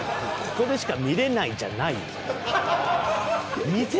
ここでしか見れないじゃないよ。